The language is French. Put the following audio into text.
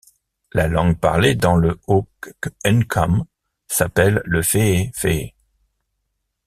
La langue parlée dans le Haut-Nkam s’appelle le fe’efe’e.